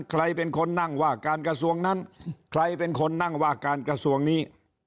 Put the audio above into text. ใครเป็นคนนั่งว่าการกระทรวงนั้นใครเป็นคนนั่งว่าการกระทรวงนี้